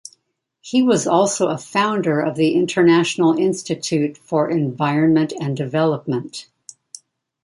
He was also a founder of the International Institute for Environment and Development.